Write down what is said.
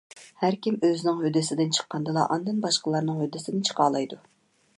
ھەركىم ئۆزىنىڭ ھۆددىسىدىن چىققاندىلا ئاندىن باشقىلارنىڭ ھۆددىسىدىن چىقالايدۇ.